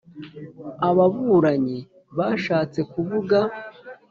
ababuranyi bashatse kuvuga